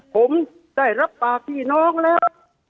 ผมได้ยิบแบบ๕๘๖หนองแล้ว